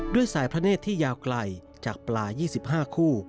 ด้วยสายพระเนธที่ยาวไกลจากปลา๒๕คู่